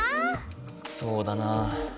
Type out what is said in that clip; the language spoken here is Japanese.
そうだな。